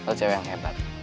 lo cewek yang hebat